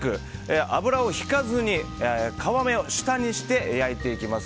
油をひかずに皮目を下にして焼いていきます。